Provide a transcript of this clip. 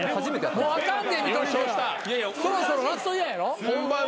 そろそろラストイヤーやろ？